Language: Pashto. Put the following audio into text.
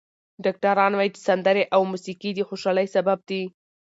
ډاکټران وايي چې سندرې او موسیقي د خوشحالۍ سبب دي.